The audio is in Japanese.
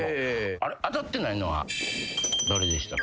当たってないのは誰でしたっけ。